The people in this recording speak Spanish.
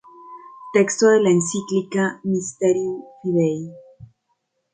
Texto de la encíclica Mysterium Fidei